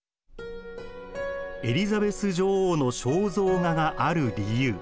エリザベス女王の肖像画がある理由。